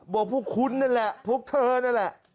บอกพวกคุณนั่นแหละพวกเธอนั่นแหละ